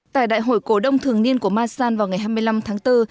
tại đại hội cổ đông thường niên của masan vào ngày hai mươi năm tháng bốn